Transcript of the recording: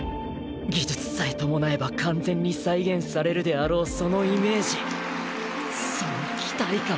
技術さえ伴えば完全に再現されるであろうあぁ